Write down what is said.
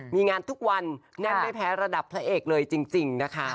มีงานทุกวันแน่นไม่แพ้ระดับพระเอกเลยจริงนะคะ